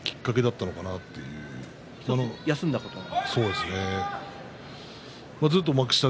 休んだことが。